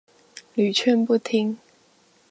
屢勸不聽